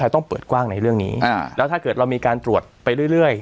ต้องเปิดกว้างในเรื่องนี้แล้วถ้าเกิดเรามีการตรวจไปเรื่อย